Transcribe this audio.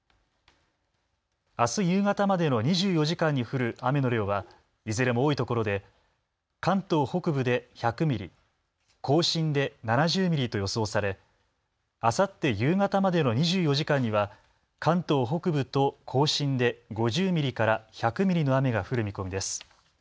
あす夕方までの２４時間に降る雨の量はいずれも多いところで関東北部で１００ミリ、甲信で７０ミリと予想されあさって夕方までの２４時間には関東北部と甲信で５０ミリから１００ミリの雨が降る見込みです。